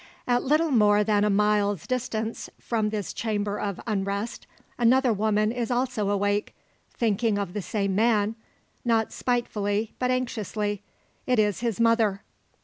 At little more than a mile's distance from this chamber of unrest, another woman is also awake, thinking of the same man not spitefully, but anxiously. It is his mother.